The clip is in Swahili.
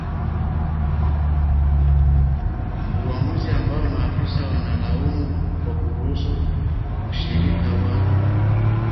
uamuzi ambao maafisa wanalaumu kwa kuruhusu ushirika wa